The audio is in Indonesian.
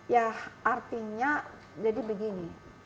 ya artinya jadi begini